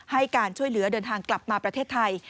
ให้การช่วยเหลือเดินทางกลับมาประเทศไทย